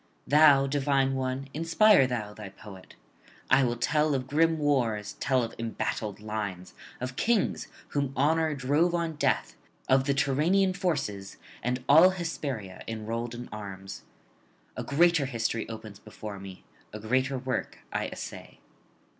Thou, divine one, inspire thou thy poet. I will tell of grim wars, tell of embattled lines, of kings whom honour drove on death, of the Tyrrhenian forces, and all Hesperia enrolled in arms. A greater history opens before me, a greater work I essay.